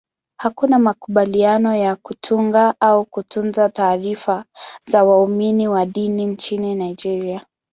Hakuna makubaliano ya kutunga au kutunza taarifa za waumini wa dini nchini Nigeria.